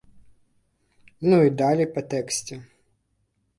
Ну і далей па тэксце.